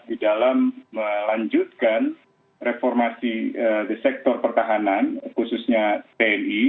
di dalam melanjutkan reformasi di sektor pertahanan khususnya tni